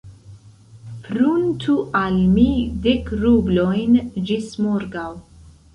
Pruntu al mi dek rublojn ĝis morgaŭ.